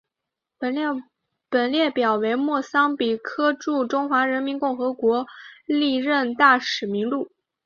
本列表为莫桑比克驻中华人民共和国历任大使名录。